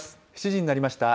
７時になりました。